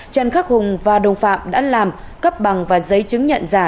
trần khắc hùng và đồng phạm đã làm cấp bằng và giấy chứng nhận giả